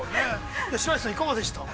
白石さん、いかがでした？